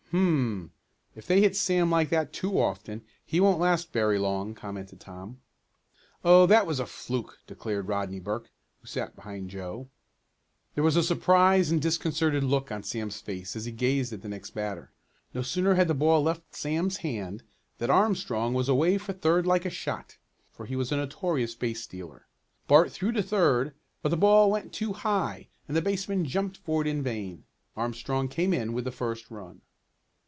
"Hum, if they hit Sam like that too often he won't last very long," commented Tom. "Oh, that was a fluke," declared Rodney Burke, who sat behind Joe. There was a surprised and disconcerted look on Sam's face as he gazed at the next batter. No sooner had the ball left Sam's hand, that Armstrong was away for third like a shot, for he was a notorious base stealer. Bart threw to third, but the ball went too high and the baseman jumped for it in vain. Armstrong came in with the first run.